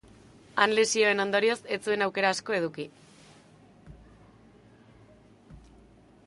Han lesioen ondorioz ez zuen aukera asko eduki.